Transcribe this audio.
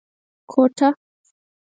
کوټه